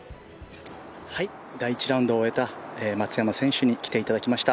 第１ラウンドを終えた松山選手に来ていただきました。